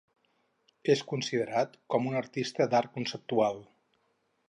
És considerat, com un artista d’art conceptual.